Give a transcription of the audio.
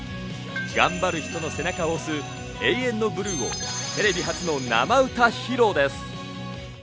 頑張る人の背中を押す『永遠のブルー』をテレビ初の生歌披露です。